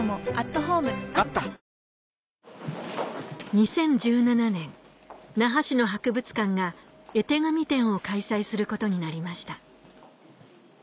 ２０１７年那覇市の博物館が絵手紙展を開催することになりました